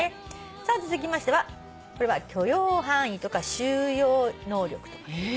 さあ続きましてはこれは「許容範囲」とか「収容能力」とか。え！？